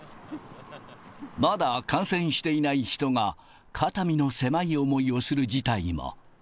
まだ感染していない人が肩身の狭い思いをする事態も。